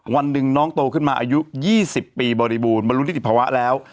วันหนึ่งน้องโตขึ้นมาอายุ๒๐ปีบริบูรณบรรลุนิติภาวะแล้ว